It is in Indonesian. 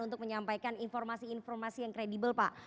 untuk menyampaikan informasi informasi yang kredibel pak